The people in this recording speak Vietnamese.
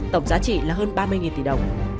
tổng giá trị là hơn ba mươi tỷ đồng